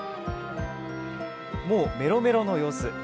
もうメロメロの様子。